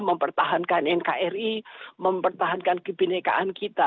mempertahankan nkri mempertahankan kebenekaan kita